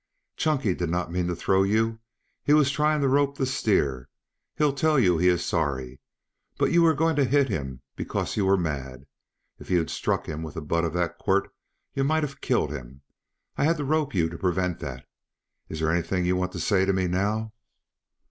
"Chunky did not mean to throw you. He was trying to rope the steer. He'll tell you he is sorry. But you were going to hit him because you were mad. If you'd struck him with the butt of that quirt you might have killed him. I had to rope you to prevent that. Is there anything you want to say to me now?"